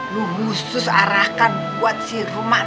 lo khusus arahkan buat si rumah